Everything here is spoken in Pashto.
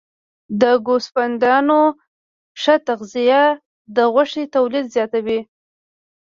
د ګوسفندانو ښه تغذیه د غوښې تولید زیاتوي.